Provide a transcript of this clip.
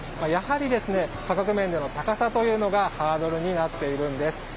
やはり、価格面での高さというのがハードルになっているんです。